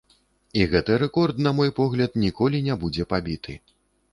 І гэты рэкорд, на мой погляд, ніколі не будзе пабіты.